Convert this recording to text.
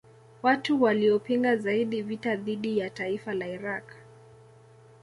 Watu waliopinga zaidi vita dhidi ya taifa la Iraq